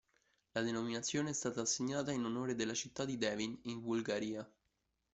La denominazione è stata assegnata in onore della città di Devin, in Bulgaria.